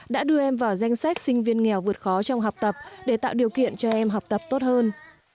đã đưa em vào danh sách sinh viên nghèo vượt khó trong học tập để tạo điều kiện cho em học tập tốt hơn